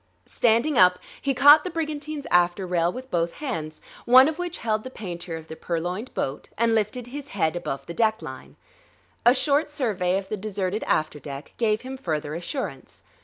Standing up, he caught the brigantine's after rail with both hands, one of which held the painter of the purloined boat, and lifted his head above the deck line. A short survey of the deserted after deck gave him further assurance.